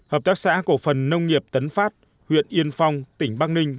hợp tác xã cổ phần nông nghiệp tấn phát huyện yên phong tỉnh bắc ninh